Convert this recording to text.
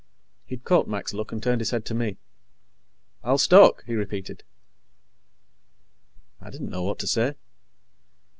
He'd caught Mac's look and turned his head to me. "I'll stoke," he repeated. I didn't know what to say.